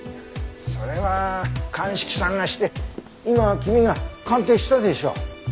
それは鑑識さんがして今君が鑑定したでしょ？